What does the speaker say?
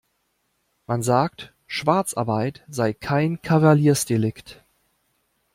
Man sagt, Schwarzarbeit sei kein Kavaliersdelikt.